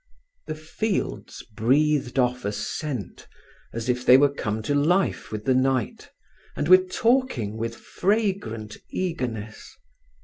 The fields breathed off a scent as if they were come to life with the night, and were talking with fragrant eagerness.